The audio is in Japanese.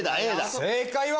正解は。